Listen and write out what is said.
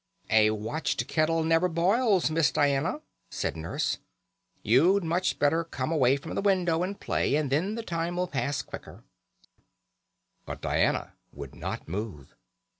"A watched kettle never boils, Miss Diana," said Nurse. "You'd much better come away from the window and play, and then the time'd pass quicker." But Diana would not move.